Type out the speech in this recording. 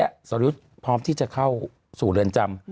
สวัสดีครับพร้อมที่จะเข้าสู่เรือนจำ